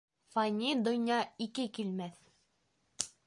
Фани донъя ике килмәҫ.